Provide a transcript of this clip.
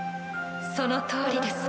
そのとおりです